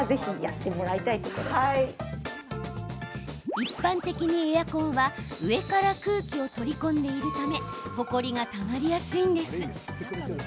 一般的にエアコンは上から空気を取り込んでいるためほこりが、たまりやすいんです。